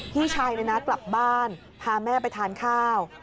พี่ชายกลับบ้านพาแม่ไปทานข้าว